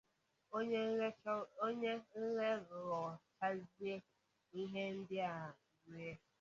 Onye ghekọchazie ihe ndi ahụ rie